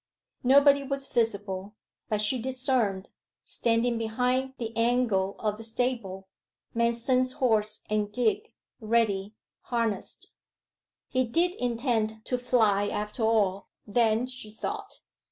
Nobody was visible, but she discerned, standing behind the angle of the stable, Manston's horse and gig, ready harnessed. He did intend to fly after all, then, she thought.